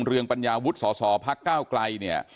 เรืองปัญญาวุธสสพเก้าไกล